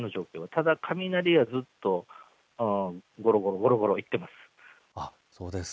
ただ、雷はずっとごろごろごろごろいってます。